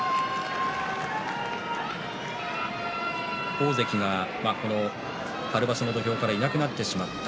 大関が春場所の土俵からいなくなりました。